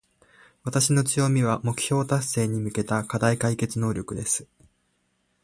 私の強みは、目標達成に向けた課題解決能力です。